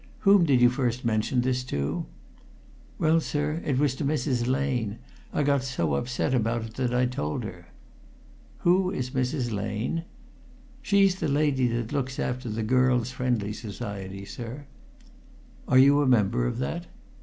"Whom did you first mention this to?" "Well, sir, it was to Mrs. Lane. I got so upset about it that I told her." "Who is Mrs. Lane?" "She's the lady that looks after the Girls' Friendly Society, sir." "Are you a member of that?"